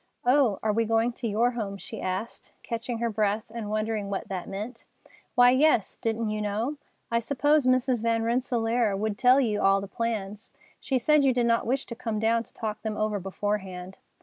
"Oh, are we going to your home?" she asked, catching her breath and wondering what that meant. "Why, yes, didn't you know? I supposed Mrs. Van Rensselaer would tell you all the plans. She said you did not wish to come down to talk them over beforehand."